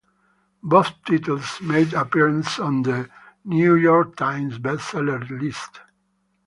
Both titles made appearances on the "New York Times" Best Seller list.